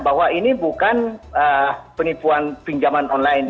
bahwa ini bukan penipuan pinjaman online